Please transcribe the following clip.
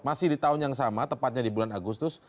masih di tahun yang sama tepatnya di bulan agustus